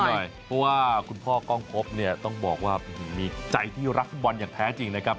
เพราะว่าคุณพ่อกล้องพบเนี่ยต้องบอกว่ามีใจที่รักฟุตบอลอย่างแท้จริงนะครับ